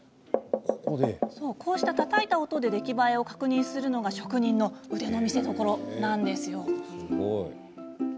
こうやって、たたいた音で出来栄えを確認するのが職人の腕の見せどころなんです。